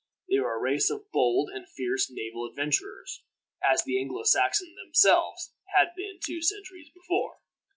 They were a race of bold and fierce naval adventurers, as the Anglo Saxons themselves had been two centuries before.